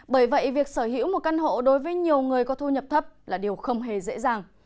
bởi vậy việc sở hữu một căn hộ đối với nhiều người có thu nhập thấp là điều không hề dễ dàng